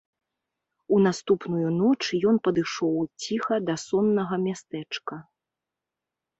У наступную ноч ён падышоў ціха да соннага мястэчка.